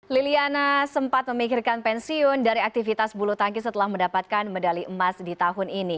liliana sempat memikirkan pensiun dari aktivitas bulu tangkis setelah mendapatkan medali emas di tahun ini